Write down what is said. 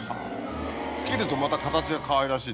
切るとまた形がかわいらしい。